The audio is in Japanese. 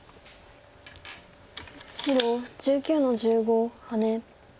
白１９の十五ハネ。